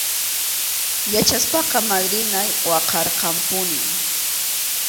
Yachaspaqa madrinay waqarqanpunim.